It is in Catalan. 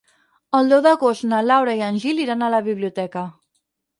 El deu d'agost na Laura i en Gil iran a la biblioteca.